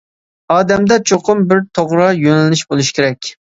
ئادەمدە چوقۇم بىر توغرا يۆنىلىش بولۇشى كېرەك.